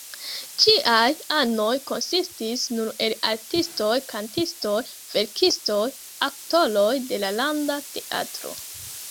Ĝiaj anoj konsistis nur el artistoj, kantistoj, verkistoj, aktoroj de la Landa Teatro.